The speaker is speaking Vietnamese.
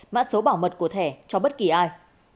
mã số bảo mật của thẻ cho bất kỳ ai